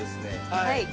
はい。